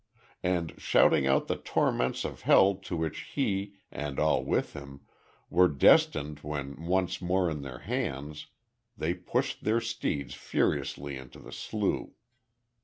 And shouting out the torments of hell to which he, and all with him, were destined when once more in their hands, they pushed their steeds furiously into the slough.